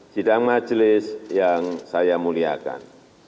sidang majelis yang saya muliakan